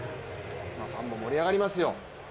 ファンも盛り上がりますよ。